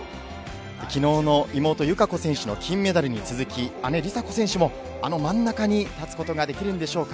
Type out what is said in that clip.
昨日の妹・友香子選手の金メダルに続き、姉・梨紗子選手もあの真ん中に立つことができるんでしょうか。